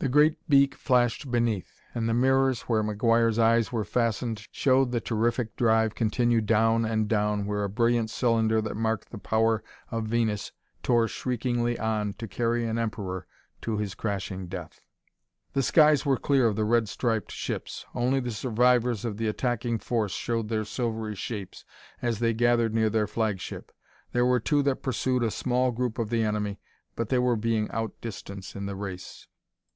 The great beak flashed beneath and the mirrors, where McGuire's eyes were fastened, showed the terrific drive continue down and down, where a brilliant cylinder that marked the power of Venus tore shriekingly on to carry an Emperor to his crashing death. The skies were clear of the red striped ships: only the survivors of the attacking force showed their silvery shapes as they gathered near their flagship. There were two that pursued a small group of the enemy, but they were being outdistanced in the race.